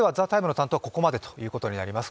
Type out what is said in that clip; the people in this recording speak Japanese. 「ＴＨＥＴＩＭＥ，」の担当はここまでということになります。